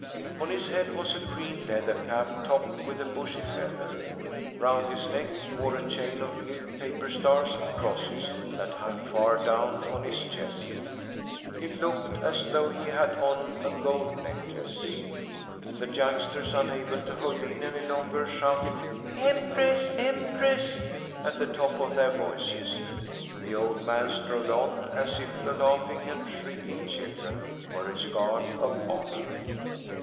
On his head was a green leather cap, topped with a bushy feather; round his neck he wore a chain of gilt paper stars and crosses that hung far down on his chest. It looked as though he had on a gold necklace. The youngsters, unable to hold in any longer, shouted "Empress, Empress!" at the top of their voices. The old man strode on as if the laughing and shrieking children were his guard of honour.